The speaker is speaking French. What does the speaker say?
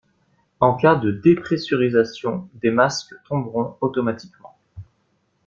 En cas de depressurisation, des masques tomberont automatiquement.